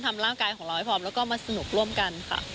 ทำร่างกายของเราให้พร้อมแล้วก็มาสนุกร่วมกันค่ะ